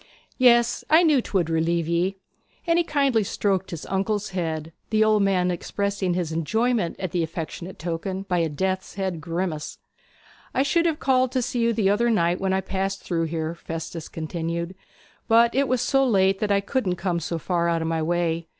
'Yes, I knew 'twould relieve ye.' And he kindly stroked his uncle's head, the old man expressing his enjoyment at the affectionate token by a death's head grimace. 'I should have called to see you the other night when I passed through here,' Festus continued; 'but it was so late that I couldn't come so far out of my way.